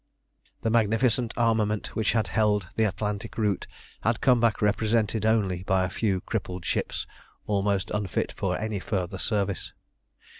The magnificent armament which had held the Atlantic route had come back represented only by a few crippled ships almost unfit for any further service.